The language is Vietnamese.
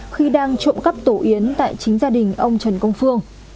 khi đang trộm cắp tổ yến tại chính gia đình ông trần công phương